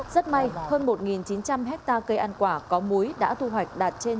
rất may hơn một chín trăm linh hectare cây ăn quả có muối đã thu hoạch đạt trên chín mươi năm